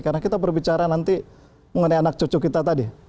karena kita berbicara nanti mengenai anak cucu kita tadi